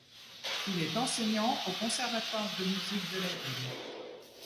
Il est enseignant au conservatoire de musique de la ville.